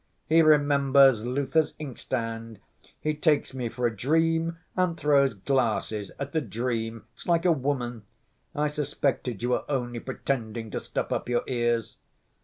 "He remembers Luther's inkstand! He takes me for a dream and throws glasses at a dream! It's like a woman! I suspected you were only pretending to stop up your ears."